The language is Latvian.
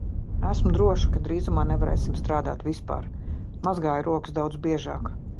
Esmu droša, ka drīzumā nevarēsim strādāt vispār. Mazgāju rokas daudz biežāk.